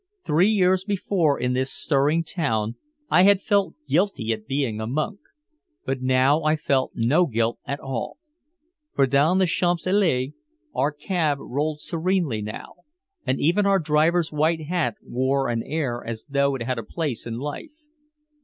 Three years before in this stirring town I had felt guilty at being a monk. But now I felt no guilt at all. For down the Champs Élysées our cab rolled serenely now, and even our driver's white hat wore an air as though it had a place in life.